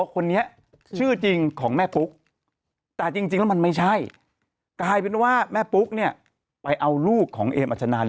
คนนี้ชื่อจริงของแม่ปุ๊กแต่จริงแล้วมันไม่ใช่กลายเป็นว่าแม่ปุ๊กเนี่ยไปเอาลูกของเอมอัชนา